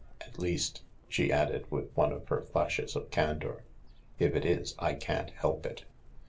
At least," she added, with one of her flashes of candour, "if it is, I can't help it.